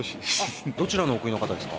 どちらのお国の方ですか？